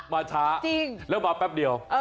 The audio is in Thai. มาช้าจริงแล้วมาแป๊บเดียว